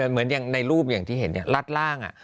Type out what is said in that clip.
เหมือนอย่างในรูปอย่างที่เห็นเนี่ยรัดร่างอ่ะ